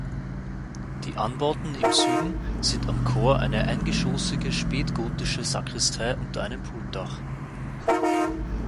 Die Anbauten im Süden sind am Chor eine eingeschoßige spätgotische Sakristei unter einem Pultdach.